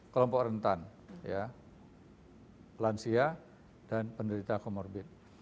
kelompok rentan lansia dan penderita comorbid